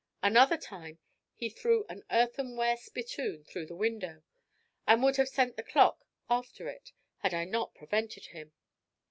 Another time he threw an earthenware spittoon through the window, and would have sent the clock after it had I not prevented him.